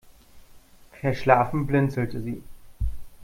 Verschlafen blinzelte sie.